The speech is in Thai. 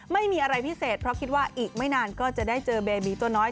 ไม่มีอะไรพิเศษเพราะคิดว่าอีกไม่นานก็จะได้เจอเบบีตัวน้อย